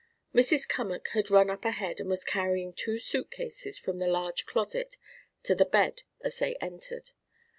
Mrs. Cummack had run up ahead and was carrying two suitcases from the large closet to the bed as they entered.